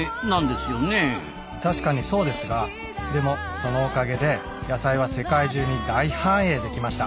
たしかにそうですがでもそのおかげで野菜は世界中に大繁栄できました。